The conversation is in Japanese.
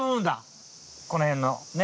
この辺のねっ？